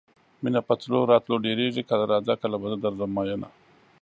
مینه په تلو راتلو ډیریږي کله راځه کله به زه درځم میینه